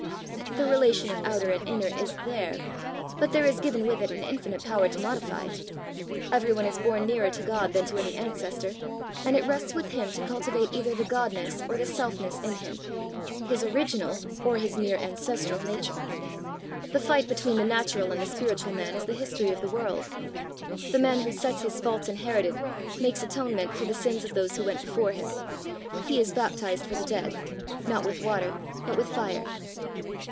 "The relation of outer and inner is there, but there is given with it an infinite power to modify. Everyone is born nearer to God than to any ancestor, and it rests with him to cultivate either the godness or the selfness in him, his original or his mere ancestral nature. The fight between the natural and the spiritual man is the history of the world. The man who sets right his faults inherited, makes atonement for the sins of those who went before him; he is baptized for the dead, not with water but with fire."